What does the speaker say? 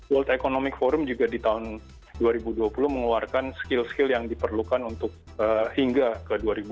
world economic forum juga di tahun dua ribu dua puluh mengeluarkan skill skill yang diperlukan untuk hingga ke dua ribu dua puluh